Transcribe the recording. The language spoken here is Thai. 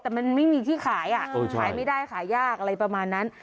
แต่มันไม่มีที่ขายขายไม่ได้ขายยากอะไรประมาณนั้น